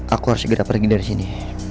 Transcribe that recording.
aku harus segera pergi dari sini